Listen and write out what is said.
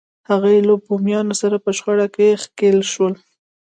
هغوی له بومیانو سره په شخړه کې ښکېل شول.